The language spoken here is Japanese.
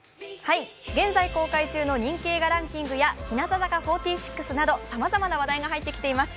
現在公開中の人気映画ランキングや日向坂４６などさまざまな話題が入ってきています。